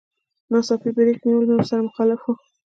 ناڅاپي بريک نيول مې ورسره مخالف و.